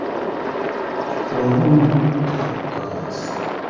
ہرکونگبُو ڈلق فنگس